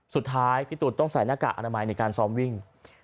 สุดท้ายพี่ตูนต้องใส่หน้ากากอนามัยในการซ้อมวิ่ง